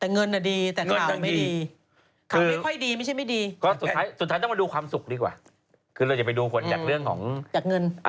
นึกออกปะนางทำอะไรก็โดนด่า